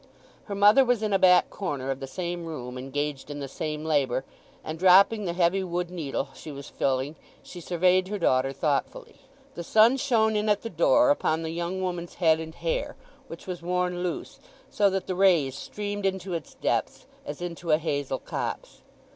Her mother was in a back corner of the same room engaged in the same labour, and dropping the heavy wood needle she was filling she surveyed her daughter thoughtfully. The sun shone in at the door upon the young woman's head and hair, which was worn loose, so that the rays streamed into its depths as into a hazel copse.